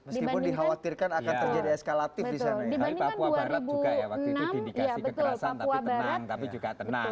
meskipun dikhawatirkan akan terjadi eskalatif